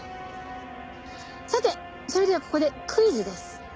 さてそれではここでクイズです。